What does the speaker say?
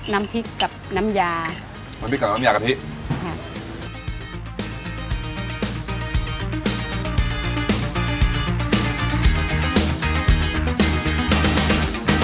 น้ำพริกกับน้ำยาน้ำพริกกับน้ำยากะทิค่ะ